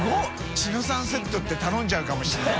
チノさんセット」って頼んじゃうかもしれない。